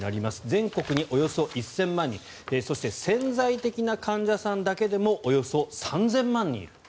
全国におよそ１０００万人そして潜在的な患者さんだけでもおよそ３０００万人いる。